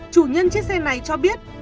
chủ nhân chiếc xe này cho biết